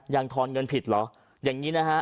ทอนเงินผิดเหรออย่างนี้นะฮะ